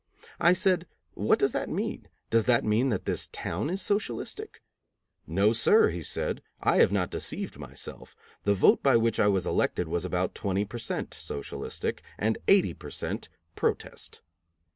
I said, "What does that mean? Does that mean that this town is socialistic?" "No, sir," he said; "I have not deceived myself; the vote by which I was elected was about 20 per cent. socialistic and 80 per cent. protest."